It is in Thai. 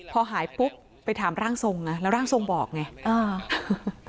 พอหายปุ๊บไปถามร่างทรงไงแล้วร่างทรงบอกไง